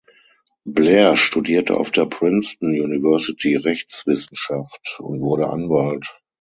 Blair studierte auf der Princeton University Rechtswissenschaft und wurde Anwalt.